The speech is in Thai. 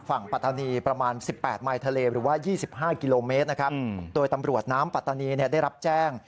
ปัตตานีประมาณ๑๘ไมล์ทะเลหรือว่า๒๕กิโลเมตรนะครับโดยตำรวจน้ำปัตตานีได้รับแจ้ง